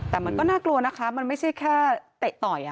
แต่มันก็น่ากลัวนะคะมันไม่ใช่แค่เตะต่อย